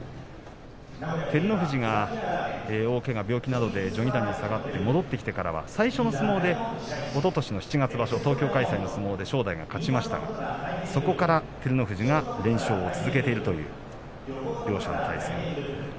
照ノ富士が大けが、病気などで序二段から戻ってきてからは最初の相撲おととしの正月開催で照ノ富士が勝ちましたがそこから連勝を続けているという両者の対戦です。